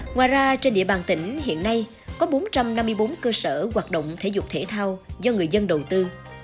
ngoài ra trên địa bàn tỉnh hiện nay có bốn trăm năm mươi bốn cơ sở hoạt động thể dục thể thao do người dân đầu tư